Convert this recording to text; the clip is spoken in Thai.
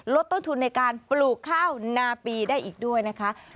ลดต้นทุนในการปลูกข้าวนาปีได้อีกด้วยนะคะ